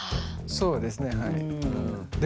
そうですねはい。